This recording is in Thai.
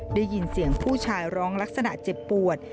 ได้ยินเสียงผู้ชายร้องลักษณะเจ็บปวด